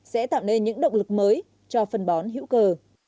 sẽ tạo nên những động lực mới cho phân bón hữu cờ